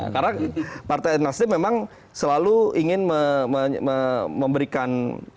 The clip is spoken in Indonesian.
karena partai nasib memang selalu ingin memberikan